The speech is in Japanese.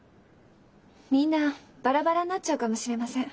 みんなバラバラになっちゃうかもしれません。